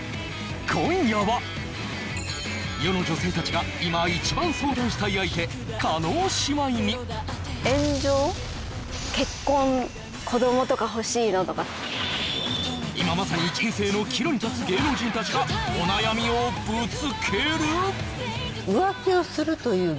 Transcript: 今夜は世の女性たちが今一番相談したい相手叶姉妹に子どもとかほしいの？とか今まさに人生の岐路に立つ芸能人たちがお悩みをぶつけると思う